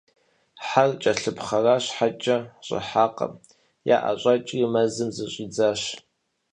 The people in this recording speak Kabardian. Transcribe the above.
Хьэр кӀэлъыпхъэра щхьэкӀэ, щӀыхьакъым - яӀэщӀэкӀри, мэзым зыщӀидзащ.